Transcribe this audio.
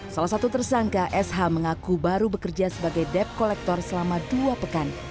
salah satu tersangka sh mengaku baru bekerja sebagai debt collector selama dua pekan